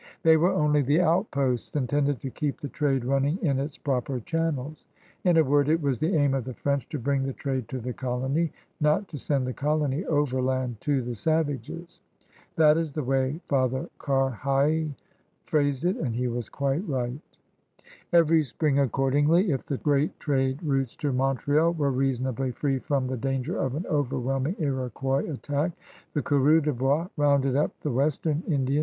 They were only the outposts intended to keep the trade running in its proper channels. In a word, it was the aim of the French to bring the trade to the colony, not to send the colony overland to the savages. That is the way Father Carheil phrased it, and he was quite right. ' Every spring, accordingly, if the great trade routes to Montreal were reasonably free from the danger of an overwhelming Iroquois attack, the coureurS'de hois roimded up the western Indians > CarheU to Champigny (August 80, 1702)» in R. G. Thwaites, Je9uU RUatiotu and Allied DoeumenU, Izv.